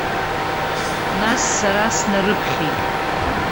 Нас сара снарыԥхьеит.